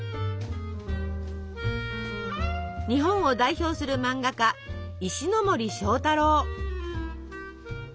日本を代表する萬画家石森章太郎。